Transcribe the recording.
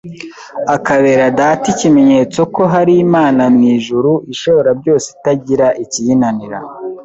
akabera Data ikimenyetso ko hari Imana mu ijuru ishobora byose itagira ikiyinanira.